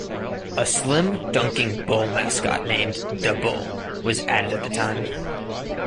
A slim, dunking bull mascot named "Da Bull" was added at the time.